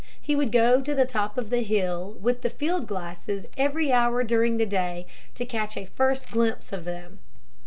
He would go to the top of the hill with the field glasses every hour during the day to catch a first glimpse of them.